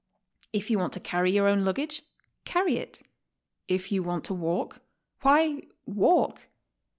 If you want to carry your own luggage, carry it. If you want to walk, — why, walk.